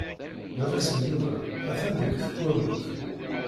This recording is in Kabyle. Baba-s n Yuba atan deg tkurmut.